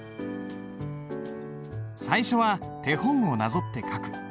最初は手本をなぞって書く。